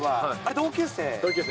同級生？